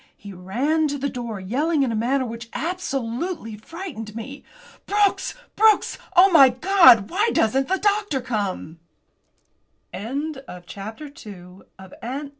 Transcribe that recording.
He ran to the door yelling in a manner which absolutely frightened me. "Brooks! Brooks! Oh, my God, why doesn't the doctor come?" CHAPTER III. DOCTORS TO THE RESCUE!